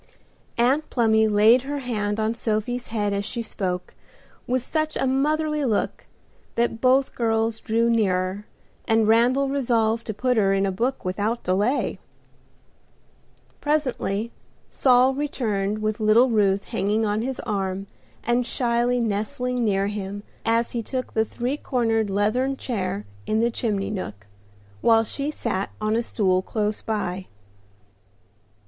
Aunt Plumy laid her hand on Sophie's head as she spoke, with such a motherly look that both girls drew nearer, and Randal resolved to put her in a book without delay. Presently Saul returned with little Ruth hanging on his arm and shyly nestling near him as he took the three cornered leathern chair in the chimney nook, while she sat on a stool close by.